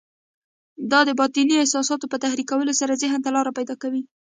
دا د باطني احساساتو په تحريکولو سره ذهن ته لاره پيدا کوي.